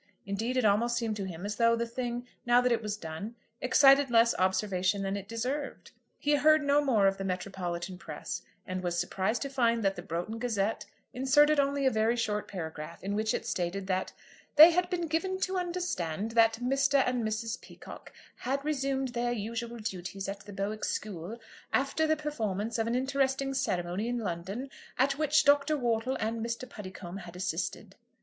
Indeed, it almost seemed to him as though the thing, now that it was done, excited less observation than it deserved. He heard no more of the metropolitan press, and was surprised to find that the 'Broughton Gazette' inserted only a very short paragraph, in which it stated that "they had been given to understand that Mr. and Mrs. Peacocke had resumed their usual duties at the Bowick School, after the performance of an interesting ceremony in London, at which Dr. Wortle and Mr. Puddicombe had assisted."